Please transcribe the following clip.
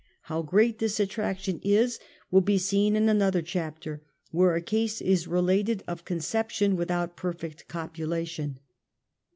How great this attraction is will be seen in another chapter, where a case is related of conception without perfect copulation.